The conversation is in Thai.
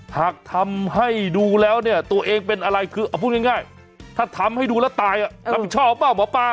หากทำให้ดูแล้วเนี่ยตัวเองเป็นอะไรคือเอาพูดง่ายถ้าทำให้ดูแล้วตายรับผิดชอบเปล่าหมอปลา